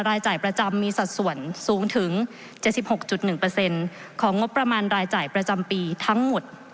รายจ่ายประจำมีสัดส่วนสูงถึง๗๖๑ของงบประมาณรายจ่ายประจำปีทั้งหมด